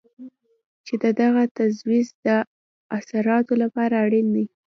چې د دغه تعویض د اثراتو لپاره اړین دی.